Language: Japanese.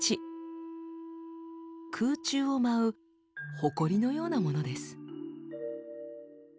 空中を舞うほこりのようなものです。